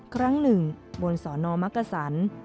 ครั้งหนึ่งบนสอนอมักษร